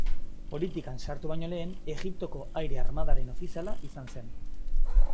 Politikan sartu baino lehen, Egiptoko Aire-Armadaren ofiziala izan zen.